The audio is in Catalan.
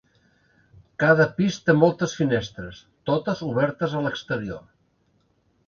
Cada pis té moltes finestres, totes obertes a l'exterior.